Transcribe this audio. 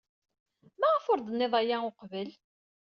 Maɣef ur d-tennid aya uqbel?